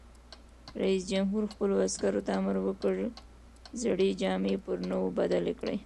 رئیس جمهور خپلو عسکرو ته امر وکړ؛ زړې جامې پر نوو بدلې کړئ!